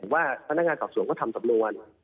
พี่บ้านพนักงานตอบสวนก็ทำสำเร็ว